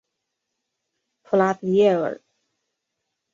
普拉迪耶尔。